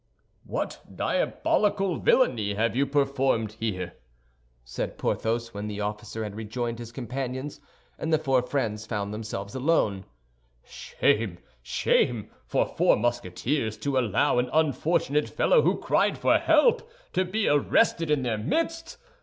"What diabolical villainy you have performed here," said Porthos, when the officer had rejoined his companions and the four friends found themselves alone. "Shame, shame, for four Musketeers to allow an unfortunate fellow who cried for help to be arrested in their midst!